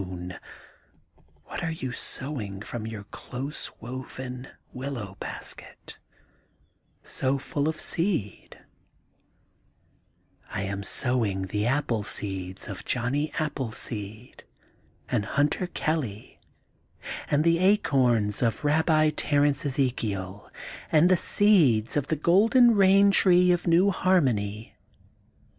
ai6 THE GOLDEN BOOK OF SPRINGFIELD what are you sowing from your close woven willow basket, so full of seed t ^* I am sowing the appleseeds of Johnny Appleseed and Hunter Kelly and the Acoms of Babbi Terence Ezekiel and the seeds of the Golden Bain Tree of New Harmony.